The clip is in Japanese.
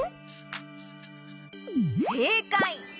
せいかい！